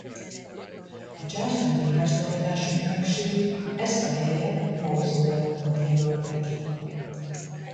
A Császári Háztartás Ügynökség ezt a helyet mauzóleumnak jelölte ki.